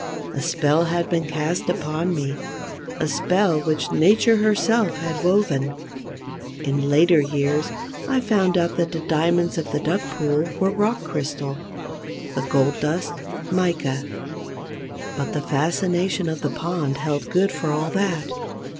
A spell had been cast upon me—a spell which Nature herself had woven. In later years I found out that the diamonds of the duck pool were rock crystal, the gold dust, mica; but the fascination of the pond held good for all that.